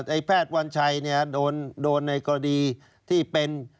ไอ้แพทย์วัญชัยโดนในกรณีที่เป็น